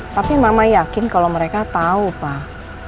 tapi mama yakin kalau mereka tahu pak